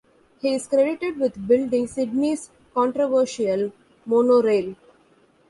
He is credited with building Sydney's controversial monorail.